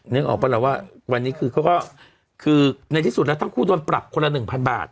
นึกออกปะล่ะว่าวันนี้คือเขาก็คือในที่สุดแล้วทั้งคู่โดนปรับคนละ๑๐๐บาท